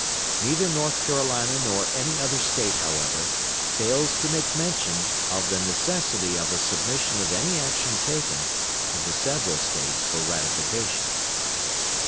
Neither North Carolina nor any other State, however, fails to make mention of the necessity of a submission of any action taken to the several States for ratification.)